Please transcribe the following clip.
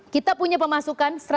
kita punya pemasukan